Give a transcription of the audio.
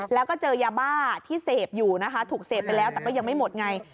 แล้วก็เจอยาบ้าที่เสพอยู่นะคะถูกเสพไปแล้วแต่ก็ยังไม่หมดไง